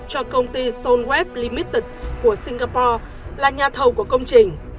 cho công ty stoneweb limited của singapore là nhà thầu của công trình